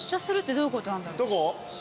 どこ？